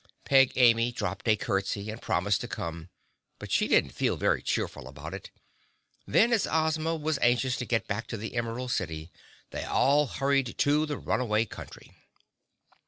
Peg Amy dropped a curtsey and promised to come, but she didn't feel very cheerful about it. Then, as Ozma was anxious to get back to the Emerald City, they all hurried to Runaway Country.